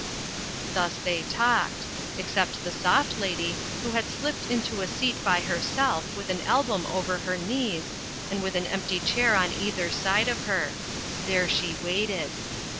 Thus they talked; except the Soft Lady, who had slipped into a seat by herself with an album over her knees, and with an empty chair on either side of her. There she waited.